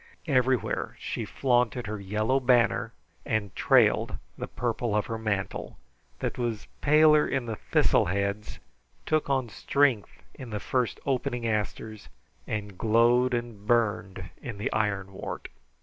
Everywhere she flaunted her yellow banner and trailed the purple of her mantle, that was paler in the thistle heads, took on strength in the first opening asters, and glowed and burned in the ironwort.